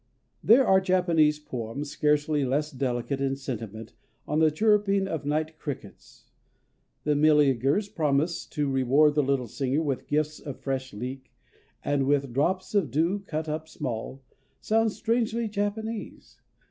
_"... There are Japanese poems scarcely less delicate in sentiment on the chirruping of night crickets; and Meleager's promise to reward the little singer with gifts of fresh leek, and with "drops of dew cut up small," sounds strangely Japanese.